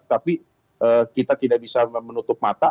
tapi kita tidak bisa menutup mata